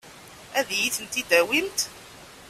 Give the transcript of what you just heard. Ad iyi-tent-id-tawimt?